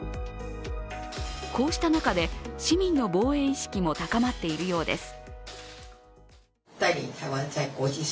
こうした中で、市民の防衛意識も高まっているようです。